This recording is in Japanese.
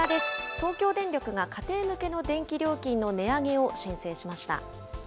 東京電力が家庭向けの電気料金の値上げを申請しました。